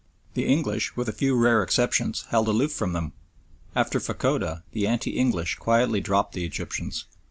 The English, with a few rare exceptions, held aloof from them. After Fachoda the anti English quietly dropped the Egyptians.